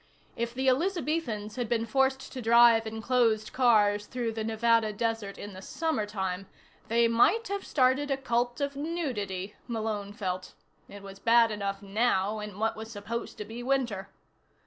If the Elizabethans had been forced to drive in closed cars through the Nevada desert in the summertime, they might have started a cult of nudity, Malone felt. It was bad enough now, in what was supposed to be winter.